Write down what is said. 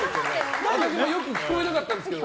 よく聞こえなかったんですけど。